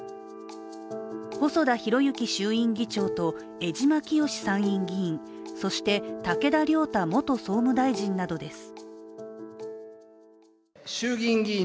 細田博之衆院議長と江島潔参院議員、そして、武田良太元総務大臣などです。